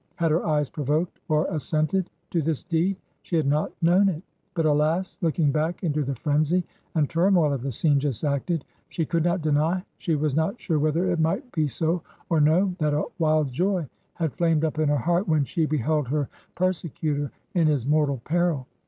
Had her eyes provoked or assented to this deed? She had not known it. But, alas I looking back into the frenzy and turmoil of the scene just acted, she could not deny — she was not sure whether it might be so or no — that a wild joy had flamed up in her heart, when she beheld her per secutor in his mortal peril.